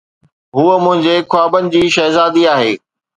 هوءَ منهنجي خوابن جي شهزادي آهي.